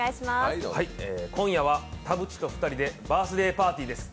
今夜は田渕と２人でバースデーパーティーです。